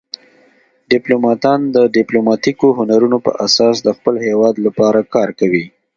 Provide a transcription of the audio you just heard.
ډیپلوماتان د ډیپلوماتیکو هنرونو په اساس د خپل هیواد لپاره کار کوي